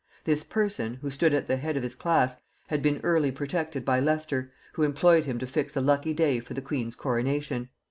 This person, who stood at the head of his class, had been early protected by Leicester, who employed him to fix a lucky day for the queen's coronation.